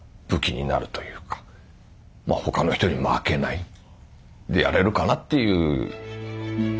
武器になるというか他の人に負けないでやれるかなっていう。